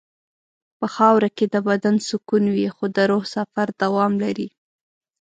په خاوره کې د بدن سکون وي خو د روح سفر دوام لري.